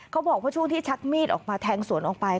เขาบอกว่าช่วงชักมีดแทงสวนออกไป